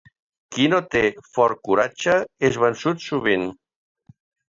Qui no té fort coratge és vençut sovint.